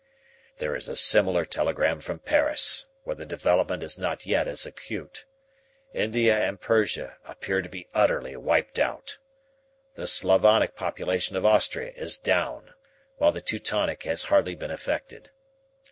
"There is a similar telegram from Paris, where the development is not yet as acute. India and Persia appear to be utterly wiped out. The Slavonic population of Austria is down, while the Teutonic has hardly been affected.